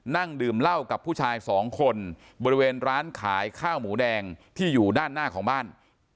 นั่งดื่มเหล้ากับผู้ชายสองคนบริเวณร้านขายข้าวหมูแดงที่อยู่ด้านหน้าของบ้าน